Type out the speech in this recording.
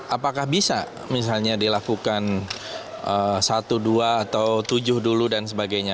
apakah bisa misalnya dilakukan satu dua atau tujuh dulu dan sebagainya